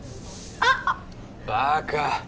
あっバカ！